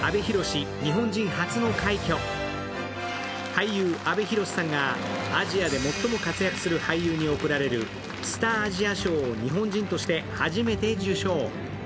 俳優、阿部寛さんがアジアで最も活躍する俳優に贈られるスター・アジア賞を日本人として初めて受賞。